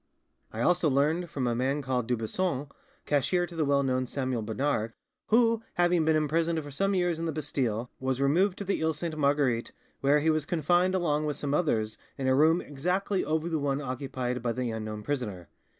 "I also learned from a man called Dubuisson, cashier to the well known Samuel Bernard, who, having been imprisoned for some years in the Bastile, was removed to the Iles Sainte Marguerite, where he was confined along with some others in a room exactly over the one occupied by the unknown prisoner.